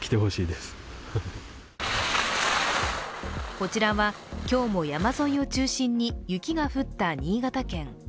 こちらは、今日も山沿いを中心に雪が降った新潟県。